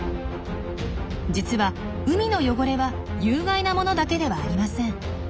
実は海の汚れは有害なものだけではありません。